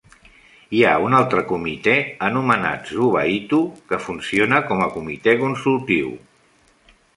Hi ha un altre comitè anomenat "Zuba-hitu" que funciona com a comitè consultiu.